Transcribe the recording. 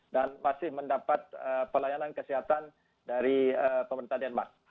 dan masih mendapat pelayanan kesehatan dari pemerintah denmark